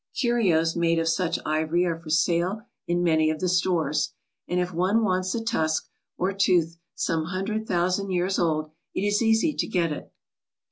Curios made of such ivory are for sale in many of the stores, and if one wants a tusk or tooth some hundred thousand years old it is easy to get it.